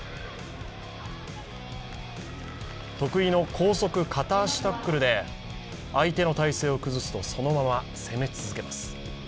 得意の高速片足タックルで相手の体勢を崩すとそのまま攻め続けます。